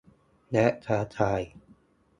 และท้าทาย